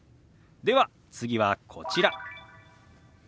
では次はこちら。